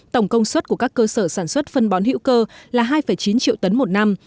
tổng công suất của các cơ sở sản xuất phân bón hữu cơ là hai chín triệu tấn một năm